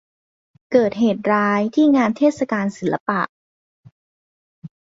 เกิดเหตุร้ายที่งานเทศกาลศิลปะ